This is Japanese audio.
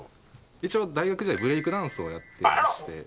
一応大学ではブレイクダンスをやってましてあら！